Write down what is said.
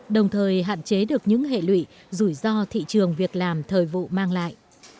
đồng thời hạn chế được những hệ lụy rủi ro thị trường việc làm thời vụ mang lại